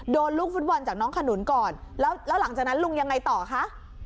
โดนลูกฟุตบอลจากน้องขนุนก่อนแล้วแล้วหลังจากนั้นลุงยังไงต่อคะ